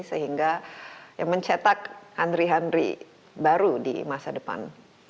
sehingga mencetak handri handri baru di masa depan